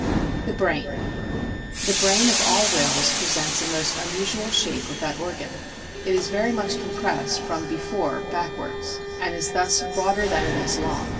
THE BRAIN The brain of all whales presents a most unusual shape of that organ. It is very much compressed from before backwards, and is thus broader than it is long.